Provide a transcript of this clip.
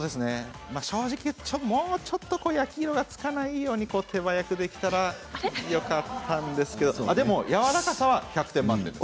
正直、言うともうちょっと焼き色がつかないように手早くできたらよかったんですけどでもやわらかさは１００点満点。